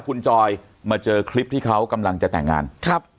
คุณจอยมาเจอคลิปที่เขากำลังจะแต่งงานครับ